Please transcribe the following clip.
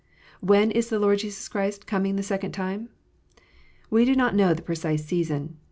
When is the Lord Jesus Christ coming the second time ? We do not know the precise season.